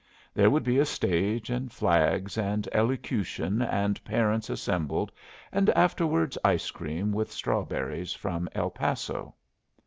There would be a stage, and flags, and elocution, and parents assembled, and afterwards ice cream with strawberries from El Paso.